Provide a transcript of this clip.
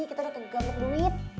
kita udah tegang tegang duit